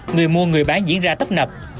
người mua người bán diễn ra tấp nập